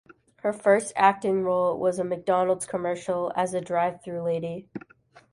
Her first acting role was a McDonald's commercial as a drive-through lady.